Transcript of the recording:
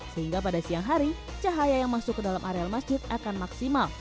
sehingga pada siang hari cahaya yang masuk ke dalam areal masjid akan maksimal